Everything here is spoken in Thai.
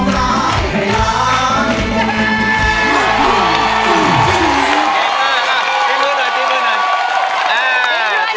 เก่งมากครับพี่มือหน่อยพี่มือหน่อย